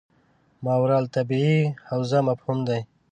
ماورا الطبیعي حوزه مفهوم دی.